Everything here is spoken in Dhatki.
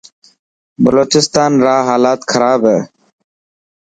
بلوچستان را هالات خراب هي.